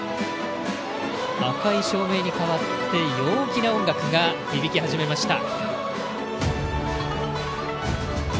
赤い照明に変わって陽気な音楽が響き始めました。